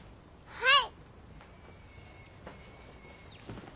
はい。